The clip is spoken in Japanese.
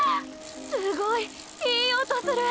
すごいいい音する！